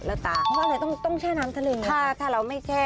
ล้างอย่างไรคะ